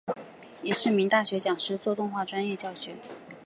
也是名大学讲师做动画专业教学。